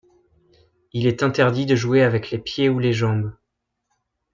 Il est interdit de jouer avec les pieds ou les jambes.